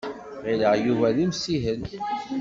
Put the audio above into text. Ɣileɣ Yuba d imsihel.